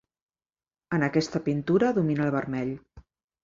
En aquesta pintura domina el vermell.